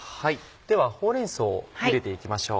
ではほうれん草をゆでて行きましょう。